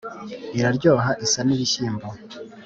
iraryoha isa n’ ibishyimbo :